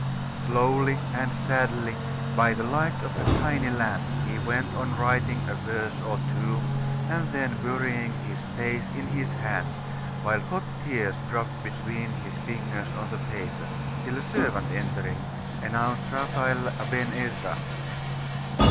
Slowly and sadly, by the light of a tiny lamp, he went on writing a verse or two, and then burying his face in his hand, while hot tears dropped between his fingers on the paper; till a servant entering, announced Raphael Aben Ezra.